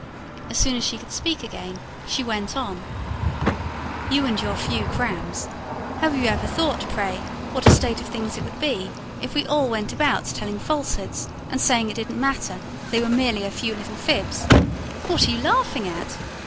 As soon as she could speak again, she went on: "You and your few crams! Have you ever thought, pray, what a state of things it would be, if we all went about telling false hoods, and saying it didn't matter, they were merely a few little fibs? What are you laughing at?"